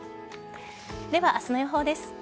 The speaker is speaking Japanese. では明日の予報です。